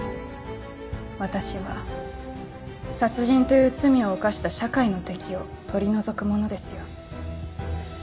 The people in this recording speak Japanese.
私は殺人という罪を犯した社会の敵を取り除く者ですよ。